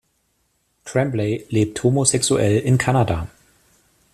Tremblay lebt homosexuell in Kanada.